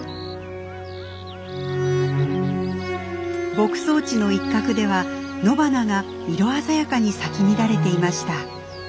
牧草地の一角では野花が色鮮やかに咲き乱れていました。